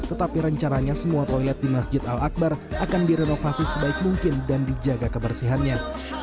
tetapi rencananya semua toilet di masjid al akbar akan direnovasi sebaik mungkin dan dijaga kebersihannya